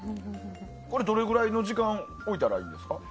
これ、どれくらいの時間置いたらいいんですか？